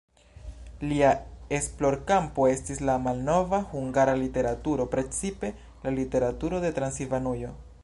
Lia esplorkampo estis la malnova hungara literaturo, precipe la literaturo de Transilvanujo.